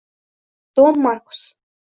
Don Markus